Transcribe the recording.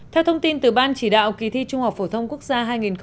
theo thông tin từ ban chỉ đạo kỳ thi trung học phổ thông quốc gia hai nghìn một mươi tám